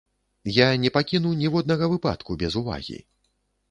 Я не пакіну ніводнага выпадку без увагі.